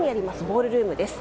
ボールルームです。